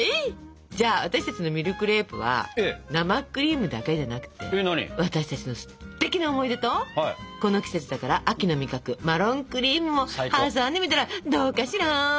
じゃあ私たちのミルクレープは生クリームだけじゃなくて私たちのすてきな思い出とこの季節だから秋の味覚マロンクリームも挟んでみたらどうかしら？